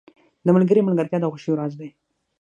• د ملګري ملګرتیا د خوښیو راز دی.